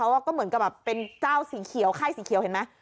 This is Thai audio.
ว่าก็เหมือนกับแบบเป็นเจ้าสีเขียวไข้สีเขียวเห็นไหม